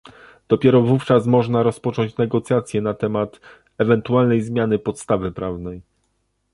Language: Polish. dopiero wówczas można rozpocząć negocjacje na temat ewentualnej zmiany podstawy prawnej